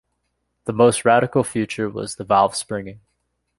The most radical feature was the valve springing.